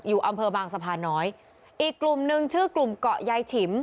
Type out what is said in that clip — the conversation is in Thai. อำเภอบางสะพานน้อยอีกกลุ่มหนึ่งชื่อกลุ่มเกาะยายฉิม